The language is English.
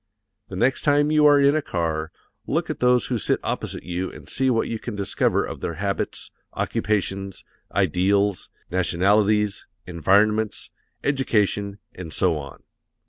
The next time you are in a car, look at those who sit opposite you and see what you can discover of their habits, occupations, ideals, nationalities, environments, education, and so on.